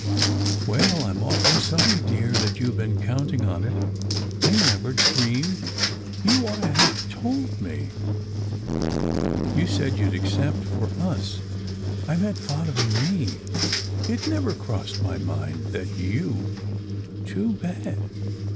"Well, I m awfully sorry, dear, that you ve been count ing on it. I never dreamed you ought to have told me " "You said you d accept for us. " "I meant Father and me. It never crossed my mind that you Too bad